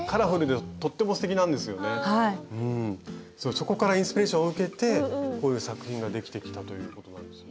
そこからインスピレーションを受けてこういう作品ができてきたということなんですね。